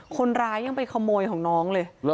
คนร้ายยังไปขโมยของน้องเลย